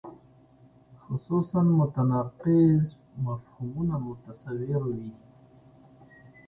خصوصاً متناقض مفهومونه متصور وي.